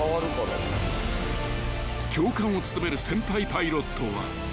［教官を務める先輩パイロットは］